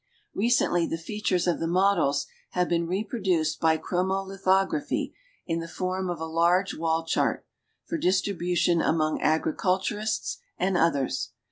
Recently the features of the models have been reproduced by chromo lithography in the form of a large wall chart, for distribution among agriculturists and others.